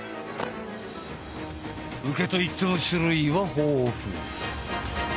受けといっても種類は豊富！